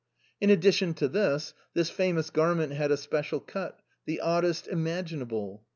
In addition to this, this famous garment had a special cut, the oddest imaginable.